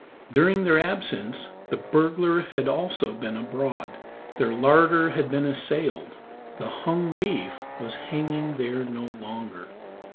During their absence, the burglar had also been abroad. Their larder had been assailed. The hung beef was hanging there no longer.